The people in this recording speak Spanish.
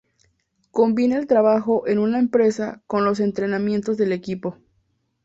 Combinaba el trabajo en una empresa con los entrenamientos del equipo.